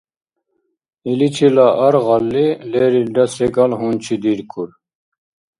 Иличила аргъалли, лерилра секӀал гьунчидиркур.